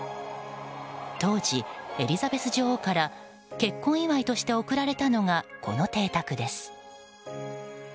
当時、エリザベス女王から結婚祝いとして贈られたのがこの邸宅です。